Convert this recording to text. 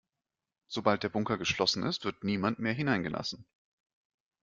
Sobald der Bunker geschlossen ist, wird niemand mehr hineingelassen.